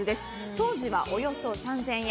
当時はおよそ３０００円。